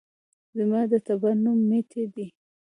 زما د ټبر نوم ميټى دى